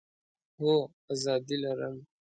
هو، آزادي لرم